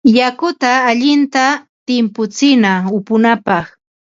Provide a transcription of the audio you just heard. Yakuta allinta timputsina upunapaq.